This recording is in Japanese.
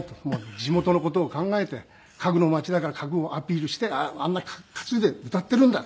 「地元の事を考えて家具の街だから家具をアピールしてあんな担いで歌ってるんだ」。